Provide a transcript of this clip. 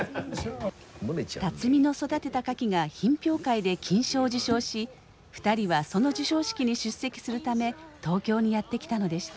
龍己の育てたカキが品評会で金賞を受賞し２人はその授賞式に出席するため東京にやって来たのでした。